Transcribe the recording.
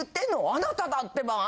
あなただってば！